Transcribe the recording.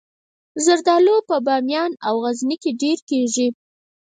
زردالو په بامیان او غزني کې ډیر کیږي